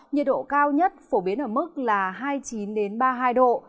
nhiệt độ cao nhất phổ biến ở mức là hai mươi chín ba mươi hai độ